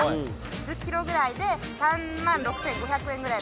１０ｋｇくらいで３６，５００円くらい。